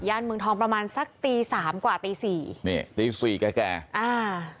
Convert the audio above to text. เมืองทองประมาณสักตีสามกว่าตีสี่นี่ตีสี่แก่แก่อ่า